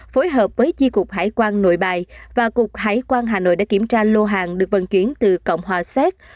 phối hợp với chi cục hải quan nội bài và cục hải quan hà nội đã kiểm tra lô hàng được vận chuyển từ cộng hòa xét